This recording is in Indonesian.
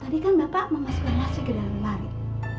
tadi kan bapak mau masukkan lastri ke dalam warung